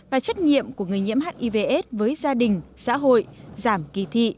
và trách nhiệm của người nhiễm hiv aids với gia đình xã hội giảm kỳ thị